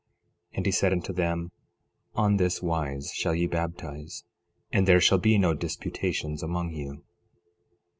And he said unto them: On this wise shall ye baptize; and there shall be no disputations among you.